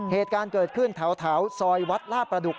เหตุการณ์เกิดขึ้นแถวซอยวัดลาดประดุก